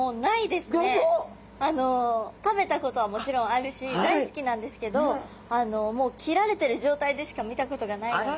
食べたことはもちろんあるし大好きなんですけどもう切られてる状態でしか見たことがないので。